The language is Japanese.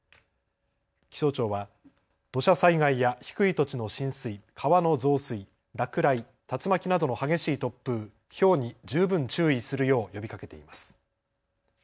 気象庁は土砂災害や低い土地の浸水、川の増水、落雷、竜巻などの激しい突風、ひょうに十分注意するよう呼びかけています。